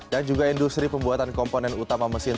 dan juga industri pembuatan komponen utama mesin